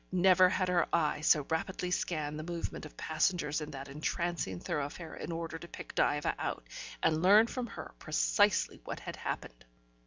Never had her eye so rapidly scanned the movement of passengers in that entrancing thoroughfare in order to pick Diva out, and learn from her precisely what had happened.